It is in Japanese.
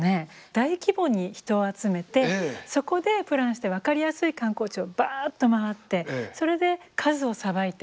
大規模に人を集めてそこでプランして分かりやすい観光地をバッと回ってそれで数をさばいて。